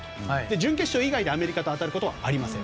準決勝以外でアメリカと当たることはありません。